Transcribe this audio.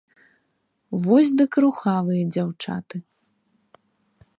Вось дык рухавыя дзяўчаты.